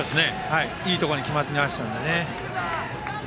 いいところに決まりましたね。